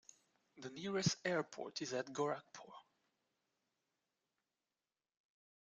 The nearest airport is at Gorakhpur.